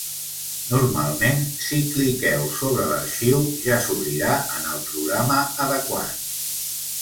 Normalment, si cliqueu sobre l’arxiu ja s’obrirà en el programa adequat.